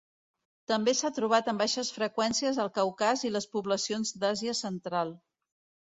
També s'ha trobat en baixes freqüències al Caucas i les poblacions d'Àsia central.